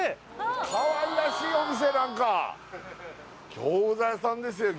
かわいらしいお店何か餃子屋さんですよ